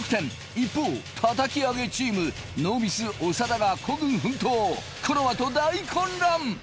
一方叩き上げチームノーミス長田が孤軍奮闘このあと大混乱！